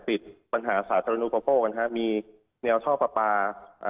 ติดปัญหาสาธารณูประโปรกันครับมีแนวท่อปลาปลา